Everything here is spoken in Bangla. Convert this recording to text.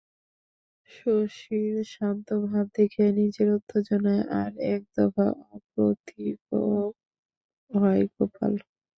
শশীর শান্ত ভাব দেখিয়া নিজের উত্তেজনায় আর এক দফা অপ্রতিভ হয় গোপাল।